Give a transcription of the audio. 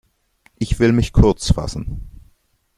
Ich will mich kurzfassen.